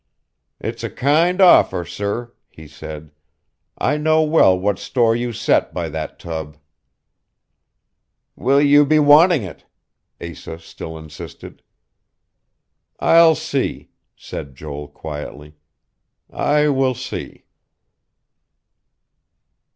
"It's a kind offer, sir," he said. "I know well what store you set by that tub." "Will you be wanting it?" Asa still insisted. "I'll see," said Joel quietly. "I will see."